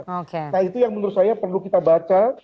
nah itu yang menurut saya perlu kita baca